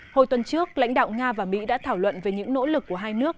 hồi tuần trước lãnh đạo nga và mỹ đã thảo luận về những nỗ lực của hai nước